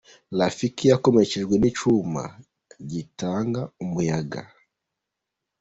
Rafiki yakomerekejwe n’icyuma gitanga umuyaga